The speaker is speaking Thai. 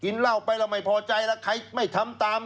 เหล้าไปแล้วไม่พอใจแล้วใครไม่ทำตาม